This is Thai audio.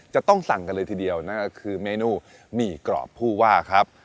จะต้องสั่งกันเลยทีเดียวนั่นก็คือเมนูหมี่กรอบผู้ว่าครับ